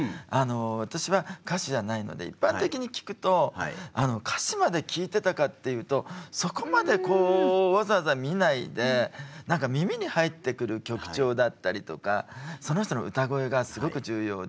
私は歌手じゃないので一般的に聴くと歌詞まで聴いてたかっていうとそこまでこうわざわざ見ないで何か耳に入ってくる曲調だったりとかその人の歌声がすごく重要でそれで